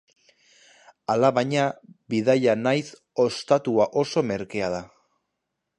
Alabaina, bidaia nahiz ostatua oso merkea da.